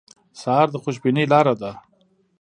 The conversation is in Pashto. سهار د خوشبینۍ لاره ده.